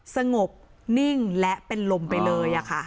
สงบนิ่งและเป็นลมไปเลย